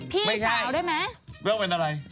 พี่สาวด้วยไหม